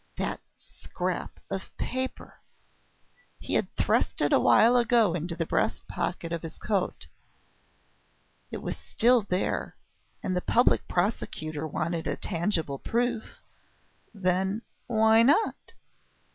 That scrap of paper! He had thrust it awhile ago into the breast pocket of his coat. It was still there, and the Public Prosecutor wanted a tangible proof.... Then, why not....?